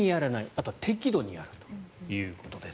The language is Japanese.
あとは適度にやるということです。